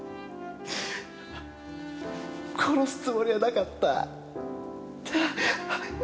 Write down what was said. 殺すつもりはなかった。